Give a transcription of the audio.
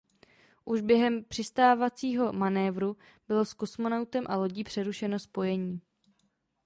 Už během přistávacího manévru bylo s kosmonautem a lodí přerušeno spojení.